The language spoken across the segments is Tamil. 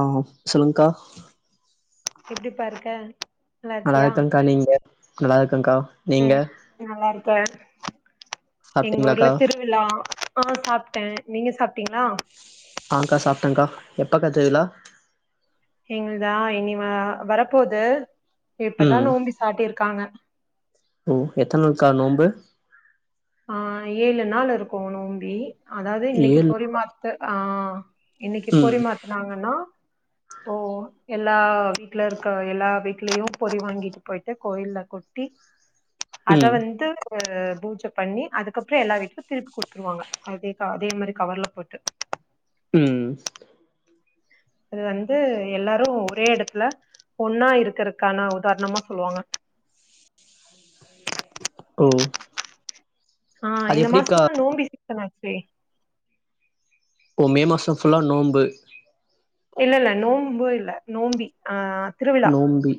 ஆஹ் சொல்லுங்க்கா எப்டிபா இருக்க நல்லா இருக்கியா நல்லாருக்கங்க்கா நீங்க நல்லாருக்கங்க்கா ம் நல்லா இருக்க எங்க ஊர்ல சாப்ட்டீங்களாக்கா திருவிழா ஆ சாப்ட்டேன் நீங்க சாப் ஆங்க்கா சாப்ட்டன்க்கா எப்பக்கா திருவிழா எங்கள்தா இனி வ வரப்போது இப்பதா ம் நோம்பி சாட்டிருக்காங்க ஓ எத்தன் நாள்கா நோம்பு ஆ ஏழு நாள் இருக்கு நோம்பி அதாவது இன்னைக்கு ஏழு பொரிமாத்து ஆ ஆ இன்னைக்கு ம் பொரிமாத்துனாங்கன்னா போ எல் எல்லா வீட்ல இருக்க எல்லா வீட்லயு பொரி வாங்கிட்டு போய்ட்டு கோயில்ல கொட்டி அத ம் வந்து அ பூஜ பண்ணி அதுக்கப்றோ எல்லா வீட்லு திருப்பி குடுத்துருவாங்க அதே க அதே மாரி கவர்ல போட்டு ம் அது வந்து எல்லாரு ஒரே எடத்துல ஒன்னா இருக்குறக்கான உதார்ணமா சொல்லுவாங்க ஓ ஆ அது இந்த எப்டிக்கா மாசந் நா நோம்பி ச்ச நா தெ ஓ மே மாச ஃபுல்லா நோம்பு இல்லல்ல நோம்பு இல்ல நோம்பி ஆ திருவிழா நோம்பி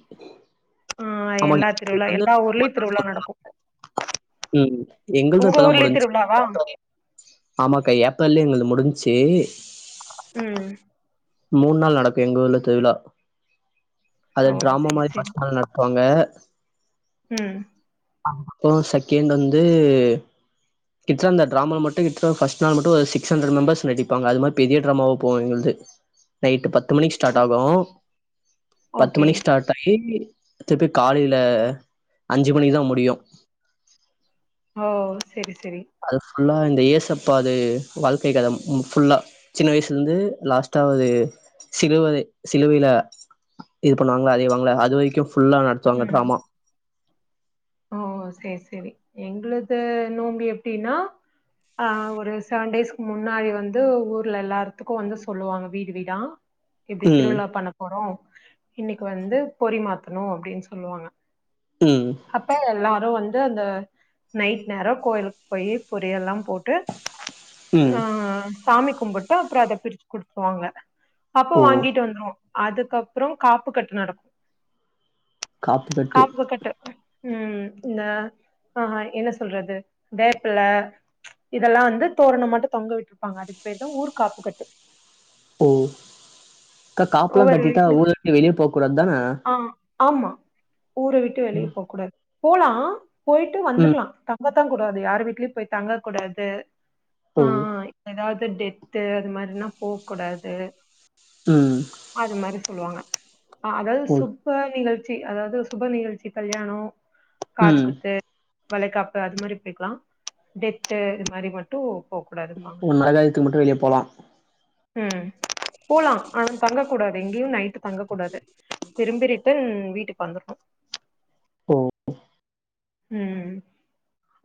ஆ ஆம் எல்லா திருவிழா [unintelligible] எல்லா ஊர்லயு திருவிழா நடக்கு உம் எங்கள்து உங்க இப்பதா ஊர்லயு முடிஞ்ச்சு திருவிழாவா லாட் ஆமாக்க ஏப்ரல்லயே எங் முடிஞ்ச்சு ம் மூண் நாள் நடக்கு எங்க ஊர்ல திருவிழா ஓ அது ட்ராமா செரி மாரி போஸ்ட் நால் அங்க உம் அப்றோ செகேண்ட் வந்து கிட்ஸ் அந்த ட்ராமா மட்டு ஃபஸ்ட் நாள் மட்டு ஒரு சிக்ஸ் ஹண்ட்ரட் மெம்பர்ஸ் நடிப்பாங்க அது மாரி பெரிய ட்ராமாவா போவு எங்கள்து நைட்டு பத் த்து மணிக்கு ஸ்டார்ட் ஆகு பத்து ஓகே மணிக்கு ஸ்டார்ட் ஆயி திருப்பி காலையில அஞ்சு மணி தா முடியும் ஓ செரி செரி ஃபுல்லாக இந்த ஏசப்பா அது வாழ்க்கை கதை ஃபுல்லாக சின்ன வயசுலேருந்து லாஸ்ட்டாவது சிலுவை சிலுவையில இது பண்ணுவாங்களா அறை வாங்கள அது வரைக்கும் ஃபுல்லா நடத்துவாங்க ம் டிராமா ஓ செரி செரி எங்கது நோம்பி எப்டின்னா அஹ் ஒரு செவன் டேஸ்க்கு முன்னாடி வந்து ஊர்ல எல்லாத்துக்கு வந்து சொல்லுவாங்க வீடு வீடா இப்டி ம் திருவிழா பண்ண போறோ இன்னைக்கு வந்து பொரிமாத்தணு அப்டின்னு சொல்லுவாங்க உம் அப்ப எல்லாரும் வந்து அந்த நைட் நேரம் கோயிலுக்கு போய் பொரி எல்லாம் போட்டு ம் ஆஹ் சாமி கும்பிட்டு அப்புறம் அதை பிரிச்சு குடுத்துருவாங்க அப்போ ஓ வாங்கிட்டு வந்துருவோ அதுக்கப்புறம் காப்பு கட்டு நடக்கு காப்பு கட்டு உஹம் இந்த ஆஹ் என்ன சொல்றது வேப்பல இதெல்லா வந்து தோரண மட்டும் தொங்க விட்டுருப்பாங்க அதுக்கு பெயர்தா ஊர் காப்புக்கட்டு ம் அக்கா காப்புல்லா ஒவ்வொரு கட்டிட்டா வீட்லயு ஊர விட்டு வெளியே போ கூடாது தானே ஆ ஆமா ஊற விட்டு வெளிய போ கூடாது போலா போயிட்டு ம் வந்துக்கலா தங்க தான் கூடாது யார் வீட்லயு போய் தங்கக்கூடாது ஓ ஆஹ் ஏதாவது டெத் தெரியாத மாரிலா போக கூடாது உம்ஹ் அது மாரி சொல்லுவாங்க அதாவது சூப்ப நீங்கள் அதாவது சுப நிகழ்ச்சி கல்யாணம் காது ம் குத்து வளைகாப்பு அது மாரி போயக்கலா டெத்து இது மாரி மட்டு போ கூடாதும்பாங்க உ மதியத்துக்கு மட்டும் வெளிய போலா ம்ஹ் போலா ங்க கூடாதே இங்கியு நைட்டு தங்க கூடாது திரும்பி ரிட்டன் வீட்டுக் வந்துர்னு ஓஹ் ம்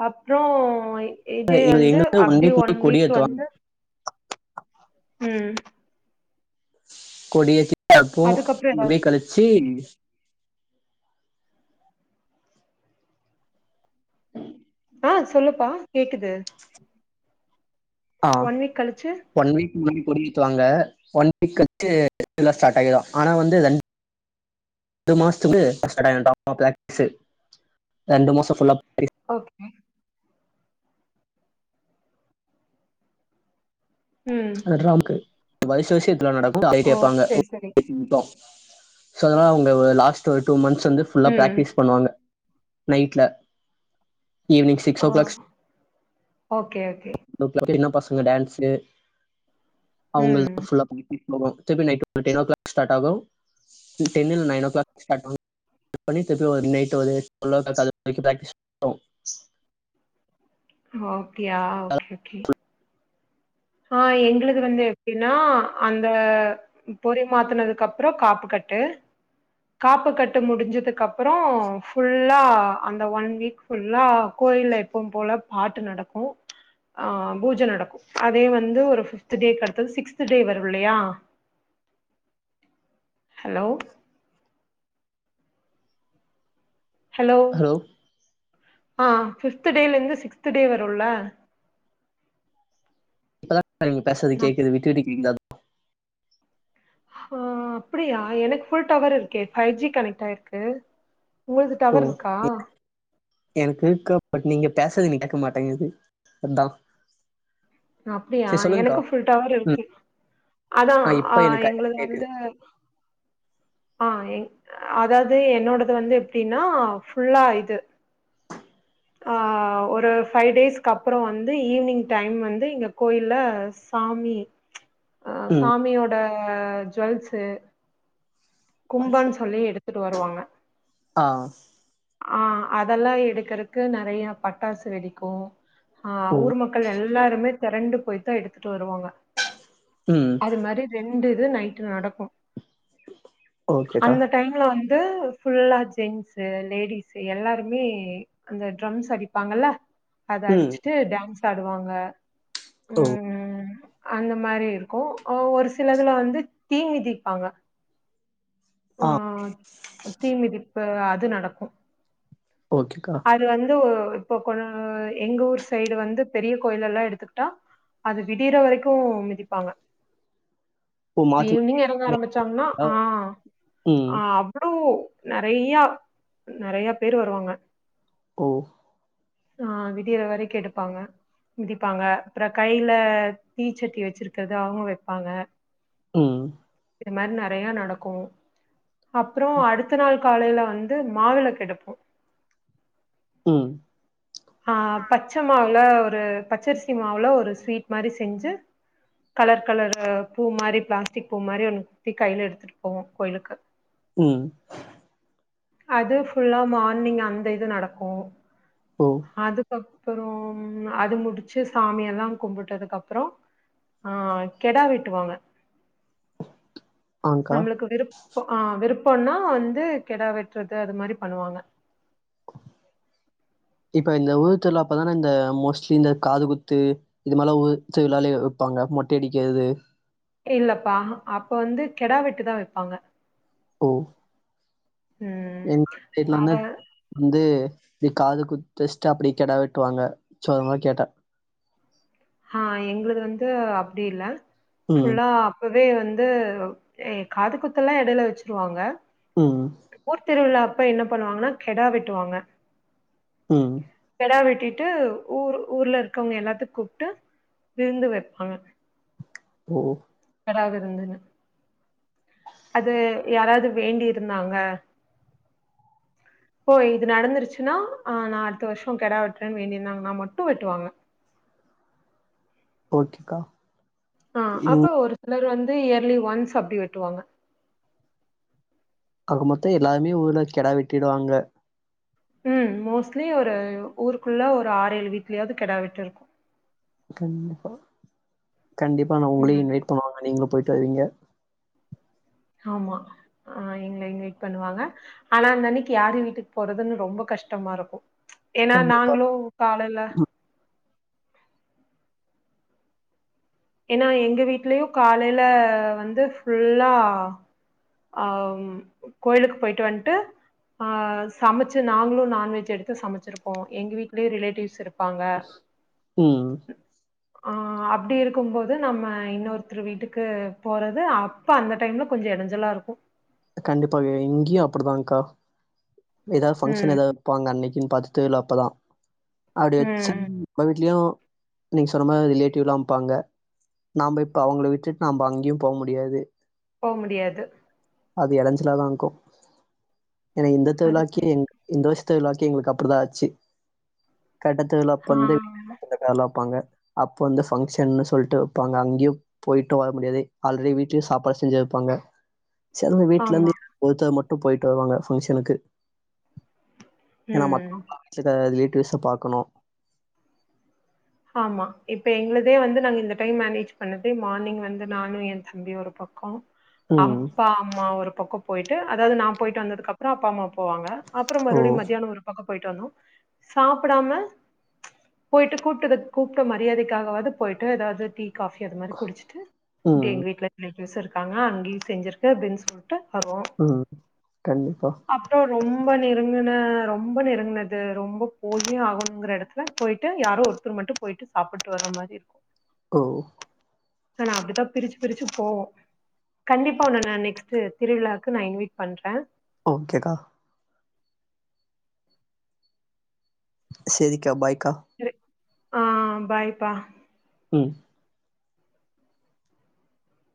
அப்புறோ எ இதே எங்க வந்து எங்க அப்டே வீக் ஒன் முன்னாடி வீக் கொடியேத்துவாங்க வந்து உம் கொடியேத்தி அப்போ அதுக்கப்றோ ஏதாவது பிரேக் கழிச்சி ஆஹ் சொல்லுப்பா கேக்குது ஆஹ் ஒன் வீக் கழிச்சு ஒன் வீக் முன்னாடி முடிஜிச்சி வாங்கே ஒன் வீக் கழிச்சீ எல்லா ஸ்டாட்டாயிரு ஆனா வந்து அன்ஜி மாஸ்துகு நெக்ஸ்ட் ஸ்டாட்டாயிருன்டா மாப்லெக் சேர் ரண்டு மாசொ ஃபுல்லாப் ஓகே ம் அல் ராம்க்கு வர்ஷெ வெஷன் எல்லா நடக்கு பிளைட்டு ஓ வெப்பாங்கே செரி செரி [unintelligible] சோ அதனால உங்க உங்கல லாஸ்ட் ஒரு டூ மன்ஸ் து வந்து ஃபுல்லா ம் பிராக்டிஸ் பன்னுவாங்க நைட்ல ஈவினிங் சிக்ஸ் ஆ ஓ கிளாக் ஓகே ஓ [unintelligible] சின்ன பசங்க டான்ஸு அவுங்கள ம் ஃபுல்லா பண்ணிட்டு ஆமா திருப்பி night ten o'clock start ஆகு டென் இல் நைனோ ஓ கிளாக் ஸ்டாட் ஆவு பண்ணி திருப்பி ஒரு நைட் ஒரு டுவல்லா கிளாக் அது வரிக்கு பிராக்டிஸ் ஆவு ஓ அப்டியா ஒகே ஒகே ஆ எங்ளுக்கு வந்து எப்டின்னா அந்தே பொரி மாத்தனதுக்குகப்புறொ காப்பு கட்டூ காப்பு கட்டு முடிஞ்சிதுக்கப்புறோ ஃபுல்லா அந்தெ ஒன் வீக் ஃபுல்லா கோயில்லெ எப்பொம் போல பாட்டு நடக்கு அ பூஜ நடக்கு அதே வந்து ஒரு ஃபித்து டே கடுத்து சிக்ஸ்து டே வருவுல்லெயா ஹலோ ஹலோ ஆ ஃபிப்து டேலெந்து சிக்ஸ்து டே வருல்லே இப்பதா நீங்க பேசறது கேக்குது விட்டு விட்டுகேக்குது ஓ அப்பிடியா எனக் ஃபுல் டவர்ருக்கெ ஃபைவ் ஜி கனெக்ட்டாயிக்கு உங்கள்து ஓ டவர்ருக்கா எனக்கு இருக்கு பட் நீங்க பேசறது எனக்கு கேக்க மாட்டேங்குது அதா அப்டியா எனக்கும் ஃபுல் டவர் ம் இருக்கு அதா ஆ இப்போ அ எனக்கு ஆ எங்களுது கேட்குது வந்து ஆ எ அதாவது என்னோடது வந்து எப்டின்னா ஃபுல்லா இது ஆ ஒரு ஃபைவ் டேஸ்க்கு அப்புறம் வந்து ஈவினிங் டைம் வந்து இங்க கோயில சாமி அ ம் சாமியோட அ ஜுவல்ஸ்சு கும்பன்னு சொல்லி எடுத்துட்டு வருவாங்க ஆ ஆ அதெல்லா எடுக்கறதுக்கு நெறைய பட்டாசு வெடிக்கு ஆ ஓ ஊர் மக்கள் எல்லாருமே திரண்டு போய் தா எடுத்துட்டு வருவாங்க ம் அது மாரி ரெண் இந்த இது நைட்டு நடக்கு ஓகேக்கா அந்த டைம்ல வந் து ஃபுல்லா ஜென்ஸு லேடிஸு எல்லாருமே அந்த டரம்ஸ் அடிப்பாங்கல்ல அத ம் அடிச்சுட்டு டான்ஸ் ஆடுவாங்க ஓ ம் அந்த மாரி இருக்கு ஒரு சிலதுல வந்து தீ மிதிப்பாங்க ஆ ஆஹ் தீ மிதி பொறவஅது நடக்கு ஓகேக்கா அது வந்து இப்போ கொ எங்க ஊர் சைடு வந்து பெரிய கோயில எல்லா எடுத்துக்கிட்டா அது விடிற வரைக்கு மிதிப்பாங்க ஓ இப்ப மாற்றி மாற்றி ஈவி்னிங் எறங்க ஆரம்பிச்சாங்கனா ஆஹ் ம் ஆஹ் அவ்ளோ நெறையா நெறைய பேரு வருவாங்க ஓஹ் ஆஹ் விடியிற வரைக்கு எடுப்பாங்க மிதிப்பாங்க அப்பற கையில தீச்சட்டி வச்சிருக்கிறது அவங்க வைப்பாங்க உம் இது மாரி நெறையா நடக்கு அப்புறோ அடுத்த நாள் காலையில வந்து மாவிளக்கு எடுப்போ உம் ஆஹ் பச்ச மாவுல ஒரு பச்சரிசி மாவுல ஒரு ஸ்வீட் மாரி செஞ்சு கலர் கலர் பூ மாரி பிளாஸ்டிக் பூ மாதிரி ஒண்ணு குத்தி கையில எடுத்துட்டு போவோ கோயிலுக்கு உம் அது ஃபுல்லா மார்னிங் அந்த இது நடக்கு ஓ அதுக்கப் அப்புறோம் அது முடிச்சு சாமியெல்லா கும்பிட்டதுக்கு அப்புறோ ஆஹ் கெடா வெட்டுவாங்க ஆங்க்கா நம்மளுக்கு விருப்ப ஆஹ் விருப் போனா வந்து கெடா வெட்றது அது மாரி பண்ணுவாங்க இப்ப இந்த ஊர் திருவிழாப்பதானே இந்த மோஸ்ட்லி இந்த காதுகுத்து இதுமதில்லா ஊர் திருவிழாலே வைப்பாங்க மொட்டை அடிக்கிறது இல்லப்பா அப்ப வந்து கெடா வெட்டு தா வப்பாங்க ஓ யெங்க வீட்ல அத [unintelligible] வந்து [inaudible] யிது யி காதுக்குத் வச்சுட்டு அப்டியே கெடா வெட்டுவாங்க சோ அதா கேட்டே ஆஹ் எங்ளது வந்து அப்டில்ல ம் ஃபுல்லா இப்பவே வந்து எ காது குத்தெல்லா எடையில வச்சிருவாங்க ம் ஊர் திருவிழா அப்ப என்ன பண்ணுவாங்கன்னா கெடா வெட்டுவாங்க உம் கெடா வெட்டிட்டு ஊர் ஊர்லருக்கவங்க யெல்லாத்துக் கூ ட்டு விருந்து வப்பாங்க ஓ கெடா விருந்துனு அது யாராவது வேண்டியிருந்தாங்க ஓ இது நடந்துருச்சுன்னா அஹ் நா அடுத்த வருஷம் கெடா வெட்டுறேன்னு வேண்டியிருந்தாங்கன்னா மட்டும் வெட்டுவாங்க ஓகேக்கா ஆஹ் ம் அப்ப ஒரு இனொரு வந்து இயர்லி ஒன்ஸ் அப்டி வெட்டுவாங்க ஆக மொத்த எல்லாருமே ஊர்ல கெடா வெட்டிருவாங்க ம் மோஸ்ட்லி ஒரு ஊருக்குள்ள ஒரு ஆறேழு வீட்லயாவ்து கெடா வெட்டுருக்கு கண்டிப்பா கண்டிப்பா நா உங்ளயு ம் இன்வைட் பண்ணுவங்க நீங்க போய் ட்டறிங்க ஆமா ஆ எங்கள இன்வெய்ட் பண்ணுவாங்க ஆனா அந்தன்னக்கி யாரு வீட்டுக்கு போறதுன்னு ரொம்ப கஷ்டமாருக்கு ஏனா கண்டிப்பா நாங்ளு காலைல ஏன்னா எங்க வீட்லயு காலைல வந்து ஃபுல்லா ஆ ம் கோயிலுக்கு போய்ட்டு வன்ட்டு ஆ சமச்சு நாங்களு நான்வெஜ் எடுத்து சமச்சிருப்போ எங்க வீட்லயு ரிலேட்டிவ்ஸ் இரு ம் ஆ அப்டி இருக்கும் போது நம்ம இன்னொருத்ரு வீட்டுக்கு போறது அப்ப அந்த டைம்ல கொஞ்சொ எடஞ்சலாருக் க்கு கண்டிப்பா இங்கியு அப்டிதாங்க்கா எதாவ் ஃபங்க்ஷன் ம் எதாவ் வெப்பாங்க அன்னக்கின் பாத்து த்ருவிழா அப்பதா அப்டி வச்சுன் ம் நம்ப வீட்லயு நீங்க சொன்ன மாரி ரிலேட்டிவ்லாம்ப்பாங்க நாம்ப இப்ப அவ்ங்கள விட்டுட்டு நாம்ப அங்கியும் போ முடியாது போ முடியாது அது எடஞ்சலாதாக்கு ஏனா இந்த அது திருவிழாக்கே [unintelligible] த்ழாக்கே எங்களுக்கு அப்டிதா ஆச்சி கட்டத்துல ஆ அப்பந்து இந்த கால வப்பாங்க அப்போ வந்து ஃபங்ஷன்னு சொல்ட்டு வப்பாங்க அங்கியும் போய்ட்டு வர முடியாது ஆல்ரெடி வீட்லயு சாப்பாடு செஞ்சு வெப்பாங்க சரினு ஆமா வீட்லருந்து [inaudible] ப போயிட்டு வருவாங்க ஃபங்க்ஷனுக்கு ஏனா ம் மத்த [inaudible] [unintelligible] பாக்கணு ஆமா இப்ப எங்குளுதே வந்து நாங்க இந்த டைம் மேனேஜ் பண்ணுது மார்னிங் வந்து நானு ஏ தம்பியு ஒரு பக்கோ ம் அப்பா அம்மா ஒரு பக்கோ போயிட்டு அதாவ்து நா போயிட்டு வந்ததுக்கப்றொ அப்பா அம்மா போவாங்க அப்றோ ஓ மறுபடி மதியானோ ஒரு பக்கோ போய்ட்டு வந்தோ சாப்புடாம போயிட்டு கூப்டதுக்கு கூப்ட மரியாதைக்காகவாவது போய்ட்டு ஏதாவது டீ காஃபி அது மாதிரி குடிச்சிட்டு இப்ப ம் எங்க வீட்டுல [unintelligible] ஸ் இருக்காங்க அங்கேயூ செஞ்சிருக்கு அப்டிண் சொல் ம் கண்டிப்பா அப்புறம் ரொம்ப நெருங்குன ரொம்ப நெருங்குனது ரொம்ப போயே ஆகணுங்கிற இடத்துல போயிட்டு யாரோ ஒருத் ர் மட்டும் போயிட்டு சாப்பிட்டு வர மாரி இருக்கு ஓ நா அப்படிதா பிரிச்சு பிரிச்சு போவோ கண்டிப்பா உன்ன நா நெக்ஸ்ட் திருவிழாக்கு நா இன்வெட் பண்றே ஓகேக்கா செரிகா பாய் ஆஹ் பாய்ப்பா ம்